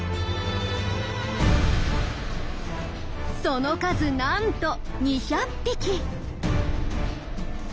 その数なんと２００匹！